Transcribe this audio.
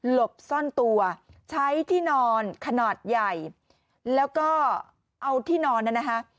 บซ่อนตัวใช้ที่นอนขนาดใหญ่แล้วก็เอาที่นอนนั่นนะคะ